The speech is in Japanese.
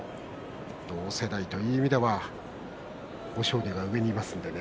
同世代ということでは豊昇龍が上にいますのでね。